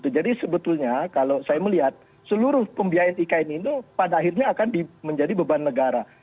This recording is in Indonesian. jadi sebetulnya kalau saya melihat seluruh pembiayaan ikn itu pada akhirnya akan menjadi beban negara